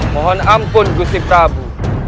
mohon ampun gusti prabu